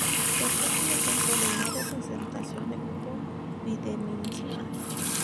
Esto es un ejemplo de una representación de grupo bidimensional.